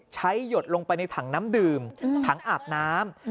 หยดลงไปในถังน้ำดื่มถังอาบน้ำ